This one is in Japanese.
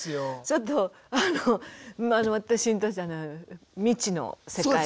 ちょっとあの私にとっては未知の世界ですね。